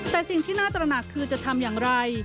แต่สิ่งที่น่าตระหนักคือจะทำอย่างไร